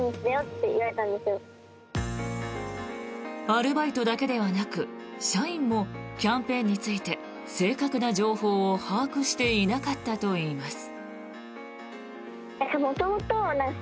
アルバイトだけではなく社員もキャンペーンについて正確な情報を把握していなかったといいます。